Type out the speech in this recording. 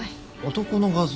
男の画像？